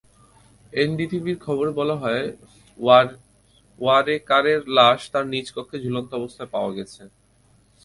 এনডিটিভির খবরে বলা হয়, ওয়ারেকারের লাশ তাঁর নিজ কক্ষে ঝুলন্ত অবস্থায় পাওয়া গেছে।